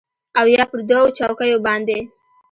او یا پر دوو چوکیو باندې